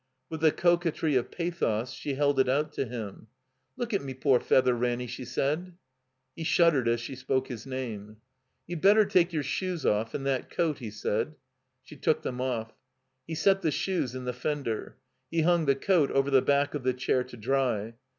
With the coquetry of pathos, she held it out to him. "Look at me poor feather, Ranny," she said. He shuddered as she spoke his name. •'You'd better take your shoes oflE, and that coat,'* he said. She took them oflf . He set the shoes in the fender. He htmg the coat over the badi: of the chair to dry.